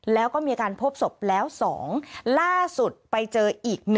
แล้วก็มีการพบศพแล้ว๒ล่าสุดไปเจออีก๑